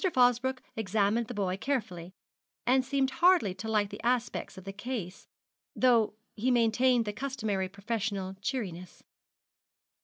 Fosbroke examined the boy carefully, and seemed hardly to like the aspect of the case, though he maintained the customary professional cheeriness.